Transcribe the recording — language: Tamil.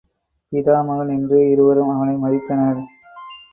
பிதாமகன் என்று இருவரும் அவனை மதித்தனர்.